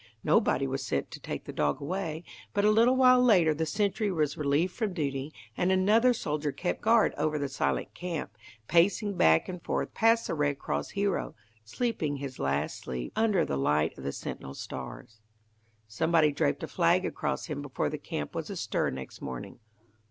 Nobody was sent to take the dog away, but a little while later the sentry was relieved from duty, and another soldier kept guard over the silent camp, pacing back and forth past the Red Cross Hero, sleeping his last sleep under the light of the sentinel stars. Somebody draped a flag across him before the camp was astir next morning.